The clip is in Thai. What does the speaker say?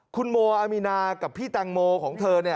คุณโมอามีนากับพี่แตงโมของเธอ